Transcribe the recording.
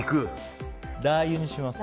ラー油にします。